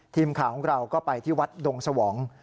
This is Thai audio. ทีมข่าวของเราก็ไปที่วัดดงสวอง